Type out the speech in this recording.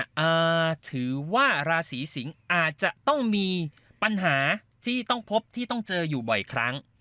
ระศีสิงค์เนี่ยถือว่าราศีสิงค์อาจจะต้องมีปัญหาที่ต้องเจอเผ็ดอยู่บ่อยครั้ง